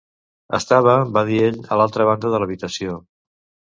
"Estava", va dir ell, "a l'altra banda de l'habitació".